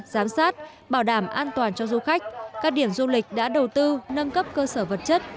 giám sát bảo đảm an toàn cho du khách các điểm du lịch đã đầu tư nâng cấp cơ sở vật chất